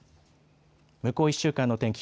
向こう１週間の天気。